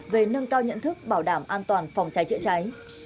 về nâng cao nhận thức bảo đảm an toàn phòng cháy chữa cháy